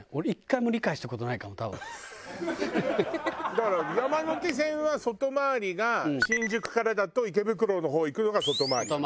だから山手線は外回りが新宿からだと池袋の方に行くのが外回りよね？